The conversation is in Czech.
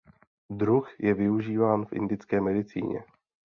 Druh je využíván v indické medicíně.